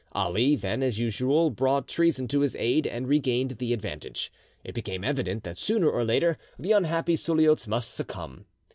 Ali then, as usual, brought treason to his aid, and regained the advantage. It became evident that, sooner or later, the unhappy Suliots must succumb.